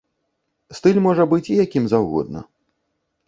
Стыль можа быць якім заўгодна.